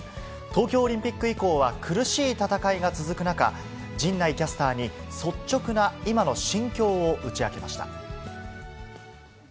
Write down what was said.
東京オリンピック以降は苦しい戦いが続く中、陣内キャスターに、率直な今の心境を打ち明けました。